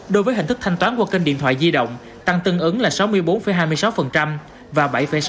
đối với hình thức thanh toán qua kênh điện thoại di động tăng tương ứng là sáu mươi bốn hai mươi sáu và bảy sáu